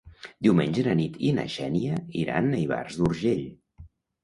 Diumenge na Nit i na Xènia iran a Ivars d'Urgell.